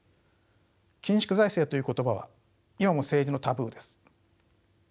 緊縮財政という言葉は今も政治のタブーです。